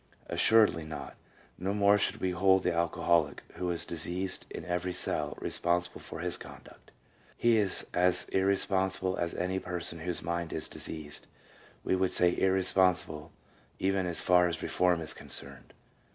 Assuredly not; no more should we hold the alcoholic, who is diseased in every cell, responsible for his conduct. He is as irresponsible as any person whose mind is diseased ; we would say irresponsible even as far as reform is concerned.